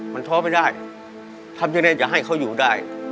มันท้อไม่ได้ทำยังไงจะให้เขาอยู่ได้